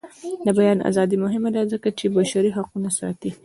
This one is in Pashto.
د بیان ازادي مهمه ده ځکه چې بشري حقونه ساتي.